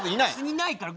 いないから。